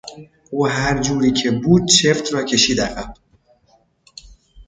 او هر جوری که بود چفت را کشید عقب.